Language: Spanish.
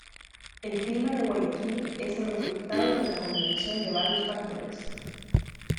El clima de "Guayaquil" es el resultado de la combinación de varios factores.